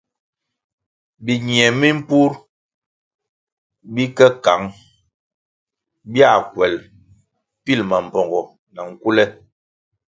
Biñie mimpur bi ke kăng bia kuel bil mambpongo na nkule.